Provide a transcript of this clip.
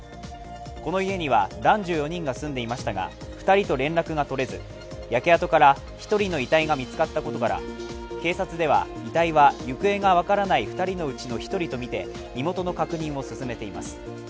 この家には男女４人が住んでいましたが２人と連絡が取れず焼け跡から１人の遺体が見つかったことから警察では遺体は行方が分からない２人のうちの１人とみて身元の確認を進めています。